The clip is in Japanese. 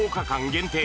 限定